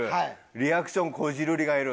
リアクションこじるりがいる。